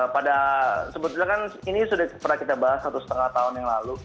pada sebetulnya kan ini sudah pernah kita bahas satu setengah tahun yang lalu